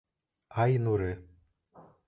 Ай нуры